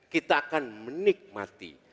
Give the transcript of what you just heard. kita akan menikmati